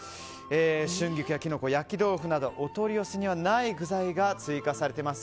春菊やキノコ、焼き豆腐などお取り寄せにはない具材が追加されています。